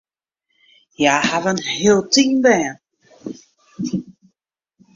Hja hawwe in hiel team bern.